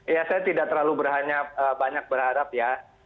ya saya tidak terlalu banyak berharap ya